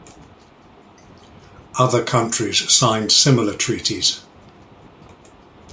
Other countries signed similar treaties.